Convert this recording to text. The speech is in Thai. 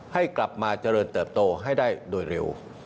ให้กลับมาเจริญเติบโตให้ได้โดยเร็ว